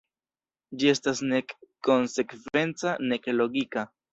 Ĝi estas nek konsekvenca nek logika.